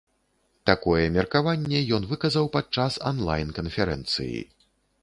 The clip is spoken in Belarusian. Такое меркаванне ён выказаў падчас анлайн-канферэнцыі.